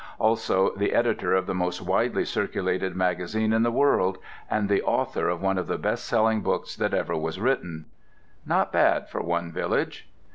Also the editor of the most widely circulated magazine in the world, and the author of one of the best selling books that ever was written. Not bad for one village.